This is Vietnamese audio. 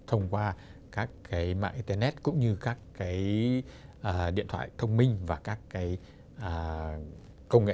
thông qua các cái mạng internet cũng như các cái điện thoại thông minh và các cái công nghệ